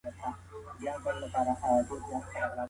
کالي مينځل وکړه.